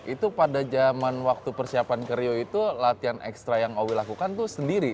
itu pada jaman waktu persiapan karyo itu latihan ekstra yang owi lakukan tuh sendiri